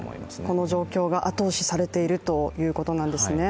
この状況が後押しされているということなんですね。